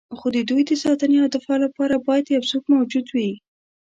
خو د دوی د ساتنې او دفاع لپاره باید یو څوک موجود وي.